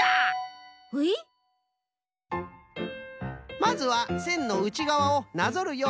まずはせんのうちがわをなぞるようにぬる。